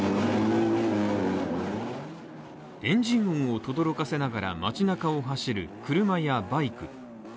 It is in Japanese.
エンジンを轟かせながら街中を走る車やバイク